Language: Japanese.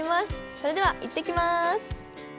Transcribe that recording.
それでは行ってきます。